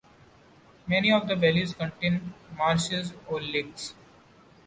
Many of the valleys contain marshes or lakes.